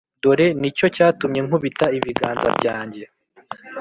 Dore ni cyo cyatumye nkubita ibiganza byanjye